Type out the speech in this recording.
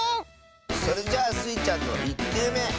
それじゃあスイちゃんの１きゅうめ！